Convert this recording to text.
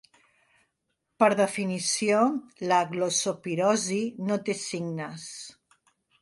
Per definició, la glossopirosi no té signes.